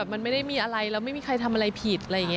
มันไม่ได้มีอะไรแล้วไม่มีใครทำอะไรผิด